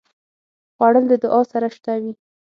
خوړل د دعا سره شته وي